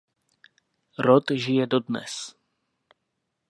Rod žije dodnes.